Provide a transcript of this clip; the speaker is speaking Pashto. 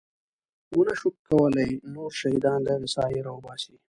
ونه شول کولی نور شهیدان له هغې ساحې راوباسي.